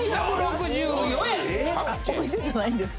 お店じゃないんです。